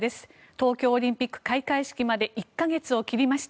東京オリンピック開会式まで１か月を切りました。